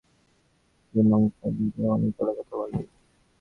শ্রীরামকৃষ্ণ কারও বিরুদ্ধে কখনও কড়া কথা বলেননি।